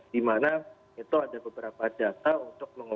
di mana itu ada beberapa data untuk mengukur